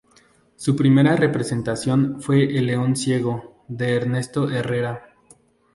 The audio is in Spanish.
Su primera representación fue "El león ciego" de Ernesto Herrera.